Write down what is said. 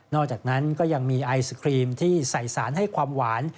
อกจากนั้นก็ยังมีไอศครีมที่ใส่สารให้ความหวาน